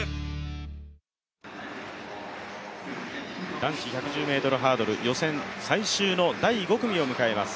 男子１１０ｍハードル、予選最終の第５組を迎えます。